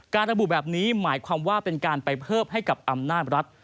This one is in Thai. ระบุแบบนี้หมายความว่าเป็นการไปเพิ่มให้กับอำนาจรัฐ